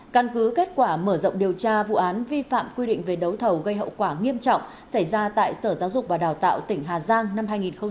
căn cứ kết quả mở rộng điều tra vụ án vi phạm quy định về đấu thầu gây hậu quả nghiêm trọng xảy ra tại sở giáo dục và đào tạo tỉnh hà giang năm hai nghìn một mươi bảy